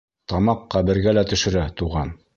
— Тамаҡ ҡәбергә лә төшөрә, туған.